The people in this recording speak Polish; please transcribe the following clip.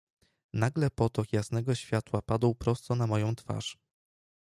"Nagle potok jasnego światła padł prosto na moją twarz."